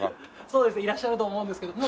そうですねいらっしゃると思うんですけど。